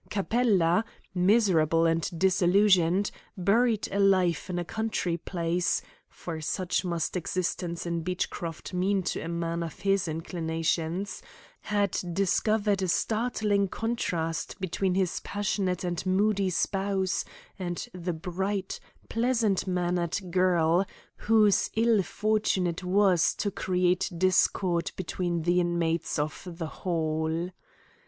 Capella, miserable and disillusioned, buried alive in a country place for such must existence in Beechcroft mean to a man of his inclinations had discovered a startling contrast between his passionate and moody spouse, and the bright, pleasant mannered girl whose ill fortune it was to create discord between the inmates of the Hall.